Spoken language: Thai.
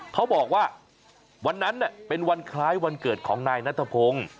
เขาบอกว่าวันนั้นเป็นวันคล้ายวันเกิดของนายนัทพงศ์